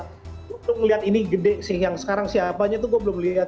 gue belum lihat ini gede sih yang sekarang siapanya tuh gue belum lihat